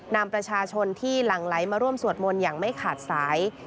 นำประชาชนที่หลั่งไหลมาร่วมสวดมนต์อย่างไม่ขาดสาย